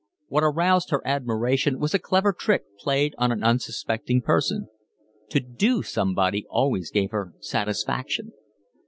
What aroused her admiration was a clever trick played on an unsuspecting person; to 'do' somebody always gave her satisfaction.